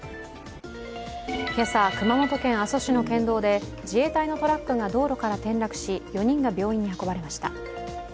今朝、熊本県阿蘇市の県道で自衛隊のトラックが道路から転落し４人が病院に運ばれました。